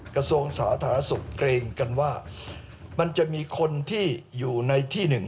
กระทรวงสาธารณสุขเกรงกันว่ามันจะมีคนที่อยู่ในที่หนึ่ง